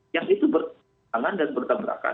yang itu bertahan dan bertahan